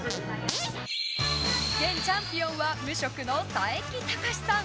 現チャンピオンは無職の佐伯タカシさん。